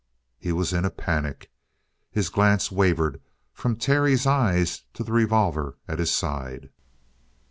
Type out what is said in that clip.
He was in a panic. His glance wavered from Terry's eyes to the revolver at his side.